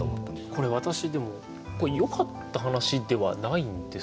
これ私でもよかった話ではないんですか？